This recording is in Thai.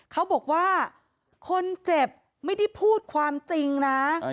เขาบอกว่าคนเจ็บไม่ได้พูดความจริงนะ